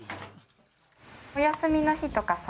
お休みの日とかさ